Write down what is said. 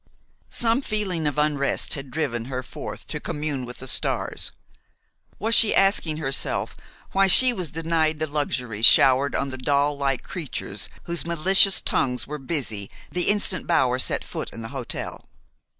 Some feeling of unrest had driven her forth to commune with the stars. Was she asking herself why she was denied the luxuries showered on the doll like creatures whose malicious tongues were busy the instant Bower set foot in the hotel?